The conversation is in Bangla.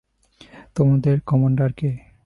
তোমাদের কমান্ডার কে?